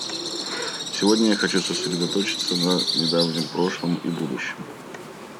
Сегодня я хочу сосредоточиться на недавнем прошлом и будущем.